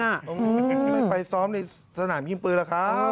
ในสนามยิงปืนเหรอครับครับ